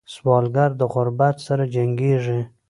سوالګر د غربت سره جنګېږي